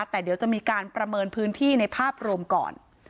แต่เดี๋ยวจะมีการประเมินพื้นที่ในภาพรวมก่อน